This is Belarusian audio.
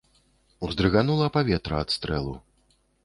Уздрыганула паветра ад стрэлу.